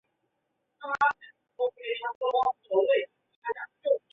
卡朗德哈清真寺是土耳其伊斯坦布尔一座原东正教教堂改建的清真寺。